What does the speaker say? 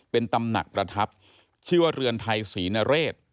เป็นตำหนักประทับชื่อว่าเรือนไทยศรีนเรศ